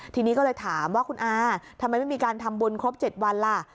ทีนี้ก็เลยถามว่าคุณอาทำไมไม่มีการทำบุญครบ๗วันล่ะ